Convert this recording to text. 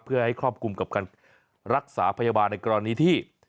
เพื่อให้ครอบคลุมกับการรักษาพยาบาลในกรณีที่